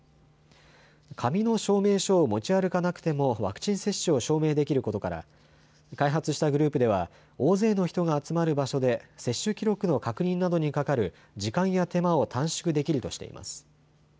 紙の証明書を持ち歩かなくてもワクチン接種を証明できることから開発したグループでは大勢の人が集まる場所で接種記録の確認などにかかる時間や手間を短縮できるとしています。